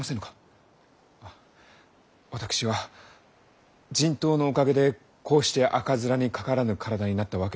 私は人痘のおかげでこうして赤面にかからぬ体になったわけですし。